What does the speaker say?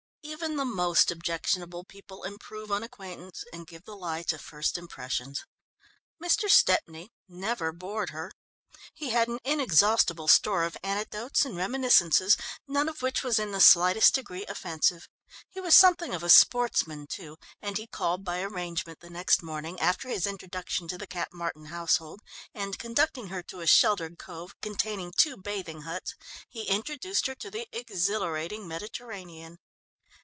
Even the most objectionable people improve on acquaintance, and give the lie to first impressions. Mr. Stepney never bored her. He had an inexhaustible store of anecdotes and reminiscences, none of which was in the slightest degree offensive. He was something of a sportsman, too, and he called by arrangement the next morning, after his introduction to the Cap Martin household, and conducting her to a sheltered cove, containing two bathing huts, he introduced her to the exhilarating Mediterranean.